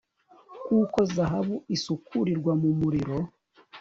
kuko zahabu isukurirwa mu muriro